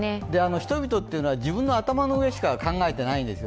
人々は自分の頭の上しか考えていないんですよ。